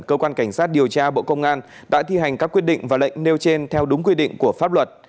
cơ quan cảnh sát điều tra bộ công an đã thi hành các quyết định và lệnh nêu trên theo đúng quy định của pháp luật